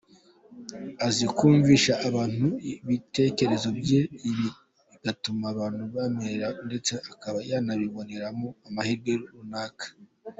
Azi kumvisha abantu ibitekerezo bye, ibi bigatuma abantu bamwemera ndetse akaba yanabiboneramo amahirwe runaka.